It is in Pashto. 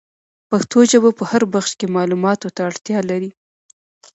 پښتو ژبه په هر بخش کي معلوماتو ته اړتیا لري.